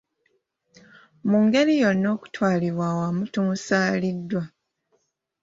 Mu ngeri yonna, okutwalira awamu tumusaaliddwa.